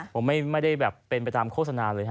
ผมไม่ได้แบบเป็นไปตามโฆษณาเลยฮ